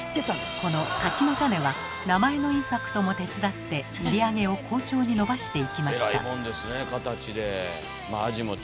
この「柿の種」は名前のインパクトも手伝って売り上げを好調に伸ばしていきました。